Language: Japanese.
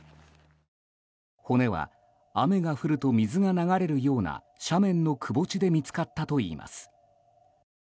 骨は雨が降ると水が流れるような斜面のくぼ地で見つかったといいます。